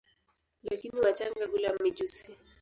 Lakini wachanga hula mijusi.